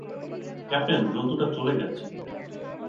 Captain, জন্তুটা চলে গেছে।